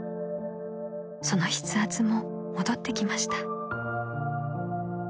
［その筆圧も戻ってきました］